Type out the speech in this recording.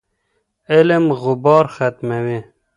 علم غبار ختموي.